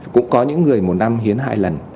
cũng có những người một năm hiến hai lần